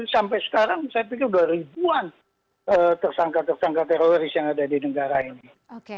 sampai sekarang saya pikir sudah ribuan tersangka tersangka teroris yang ada di negara ini